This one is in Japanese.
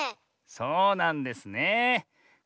そうなんですねえ。